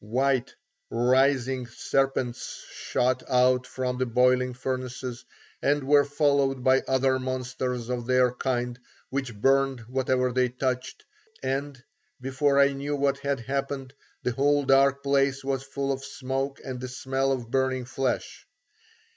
White, writhing serpents shot out from the boiling furnaces and were followed by other monsters of their kind which burned whatever they touched, and before I knew what had happened the whole dark place was full of smoke and the smell of burning flesh.